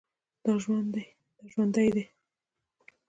دا ژوندی دی